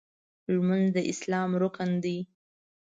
لمونځ د اسلام رکن دی.